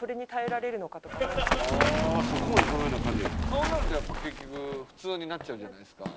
そうなるとやっぱり結局普通になっちゃうじゃないですか。